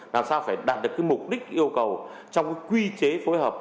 làm sao phải đạt được cái mục đích yêu cầu trong cái quy chế phối hợp